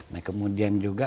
nah kemudian juga